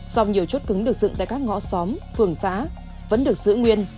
song nhiều chốt cứng được dựng tại các ngõ xóm phường xã vẫn được giữ nguyên